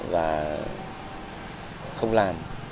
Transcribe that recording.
và không làm